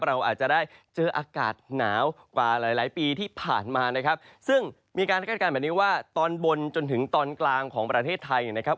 เราอาจจะได้เจออากาศหนาวกว่าหลายหลายปีที่ผ่านมานะครับซึ่งมีการคาดการณ์แบบนี้ว่าตอนบนจนถึงตอนกลางของประเทศไทยเนี่ยนะครับ